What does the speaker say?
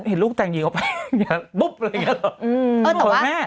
เห็นลูกแต่งยีกออกไปอย่างปุ๊บอะไรอย่างนี้หรอ